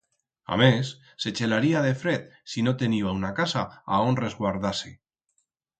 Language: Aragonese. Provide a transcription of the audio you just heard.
Amés, se chelaría de fred si no teniba una casa a on resguardar-se.